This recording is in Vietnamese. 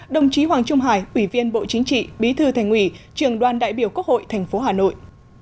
đồng chí hoàng trung hải ủy viên bộ chính trị bí thư thành ủy trường đoàn đại biểu quốc hội tp hà nội